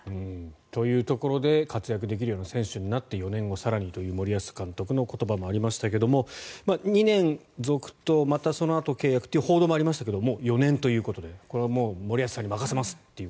というところで活躍できるような選手になって４年後更にという森保監督の言葉もありましたけれど２年続投またそのあと契約という報道もありましたがもう４年ということでこれはもう森保さんに任せますと。